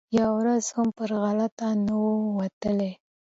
یوه ورځ هم پر غلطه نه وو تللی